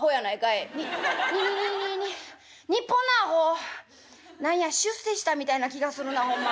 「に日本のアホ！？何や出世したみたいな気がするなほんま。